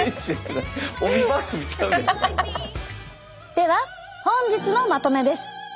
では本日のまとめです。